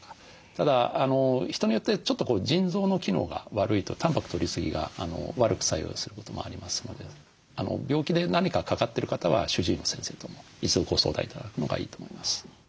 ただ人によってちょっと腎臓の機能が悪いとたんぱくとりすぎが悪く作用することもありますので病気で何かかかってる方は主治医の先生とも一度ご相談頂くのがいいと思います。